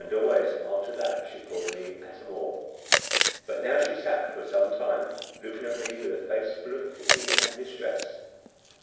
And always after that she called me "Atamor." But now she sat for some time, looking at me with a face full of pity and distress.